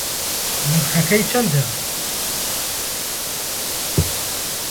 نرخەکەی چەندە